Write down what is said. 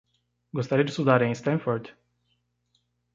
Gostaria de estudar em Stanford?